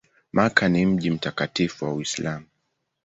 Makka ni mji mtakatifu wa Uislamu.